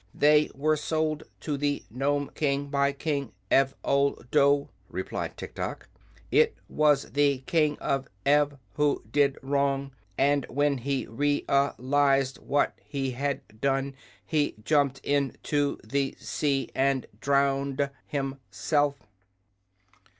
"They were sold to the Nome King by King Ev ol do," replied Tiktok. "It was the King of Ev who did wrong, and when he re al ized what he had done he jumped in to the sea and drowned him self."